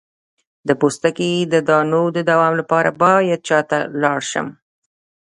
د پوستکي د دانو د دوام لپاره باید چا ته لاړ شم؟